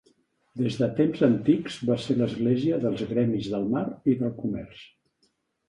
Des de temps antics va ser l'església dels gremis del mar i del comerç.